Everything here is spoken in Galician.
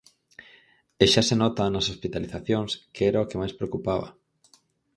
E xa se nota nas hospitalizacións, que era o que máis preocupaba.